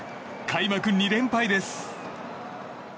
開幕２連敗です。